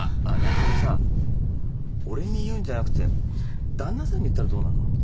あのあのさ俺に言うんじゃなくてだんなさんに言ったらどうなの？